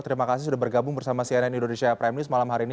terima kasih sudah bergabung bersama cnn indonesia prime news malam hari ini